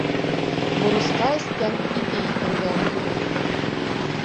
Бурысҡа эскән ике иҫергән.